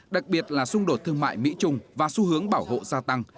đặc biệt là xung đột thương mại mỹ trung và xu hướng bảo hộ gia tăng